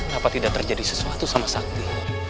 kenapa tidak terjadi sesuatu sama sakti